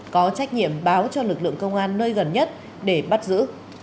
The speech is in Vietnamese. có trách nhiệm báo cho lực lượng công an nơi gần nhất để bắt giữ